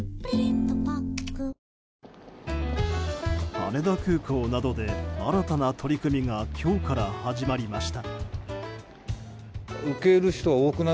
羽田空港などで新たな取り組みが今日から始まりました。